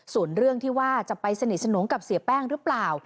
ส่วนเรื่องที่ว่าจะไปสนิทสนมกับเสียแป้งหรือเปล่า